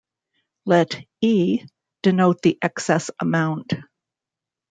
Let "E" denote the excess amount.